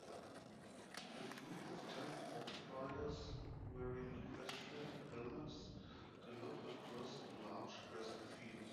A group of ten horse riders wearing equestrian helmets gallop across a large grassy field.